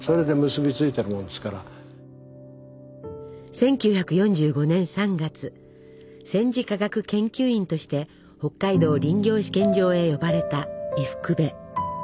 １９４５年３月戦時科学研究員として北海道林業試験場へ呼ばれた伊福部。